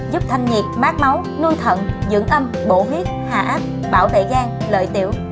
giúp thanh nhiệt mát máu nuôi thận dưỡng âm bổ huyết hạ áp bảo tệ gan lợi tiểu